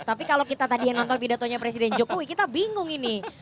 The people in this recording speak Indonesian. tapi kalau kita tadi yang nonton pidatonya presiden jokowi kita bingung ini